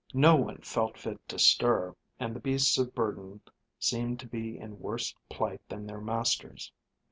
No one felt fit to stir, and the beasts of burden seemed to be in worse plight than their masters.